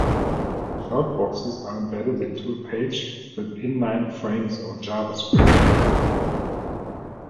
Shoutboxes are embedded into a page with inline frames or JavaScript.